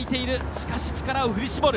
しかし力を振り絞る。